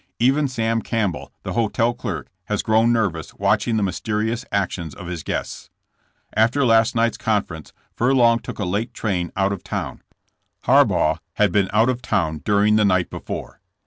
Even Sam Campbell, the hotel clerk, has grown nervous watching the myste rious actions of his guests. After last night's conference Furlong took a late train out of town. Harbaugh had been out of town during the night before.